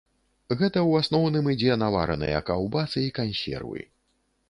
Гэта ў асноўным ідзе на вараныя каўбасы і кансервы.